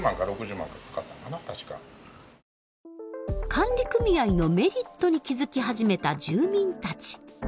管理組合のメリットに気付き始めた住民たち。